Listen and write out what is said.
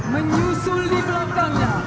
menyusul di belakangnya